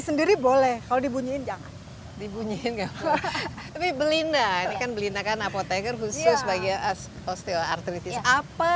sendiri boleh kalau dibunyiin jangan dibunyiin belinda apotekar khusus bagi osteoartritis apa